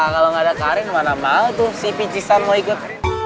kalau nggak ada karin mana mau tuh si picisan mau ikut